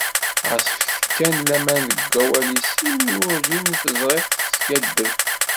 Ɣas fket kan laman deg awal-is imi werǧin i tt-ẓriɣ teskaddeb.